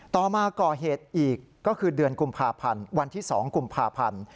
ต่อมาก่อเหตุอีกก็คือเดือนกุมภาพันธ์วันที่๒กุมภาพันธ์